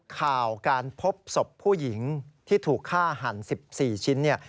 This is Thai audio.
ข่าวการพบศพผู้หญิงที่ถูกฆ่าหัน๑๔ชิ้นเนี่ย